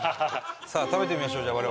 さあ食べてみましょう。